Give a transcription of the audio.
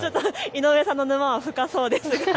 井上さんの沼は深そうですね。